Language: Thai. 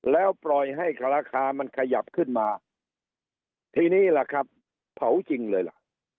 แล้วปล่อยให้ราคามันขยับขึ้นมาทีนี้ล่ะครับเผาจริงเลยล่ะ